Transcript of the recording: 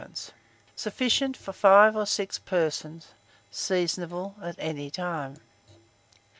Sufficient for 5 or 6 persons. Seasonable at any time.